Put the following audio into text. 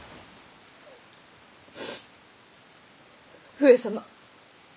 上様。